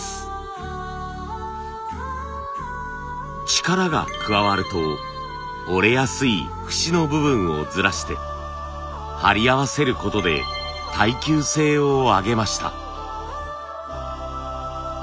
力が加わると折れやすい節の部分をずらして貼り合わせることで耐久性を上げました。